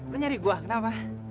lo nyari gua kenapa